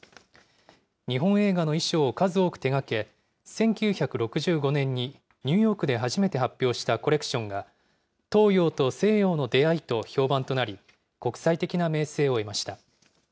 日本映画の衣装を数多く手がけ、１９６５年に、ニューヨークで初めて発表したコレクションが、東洋と西洋の出会いと評判となり、国際的な名声を得ました。